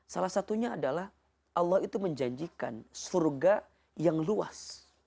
salah satunya adalah allah itu menjanjikan surga yang luas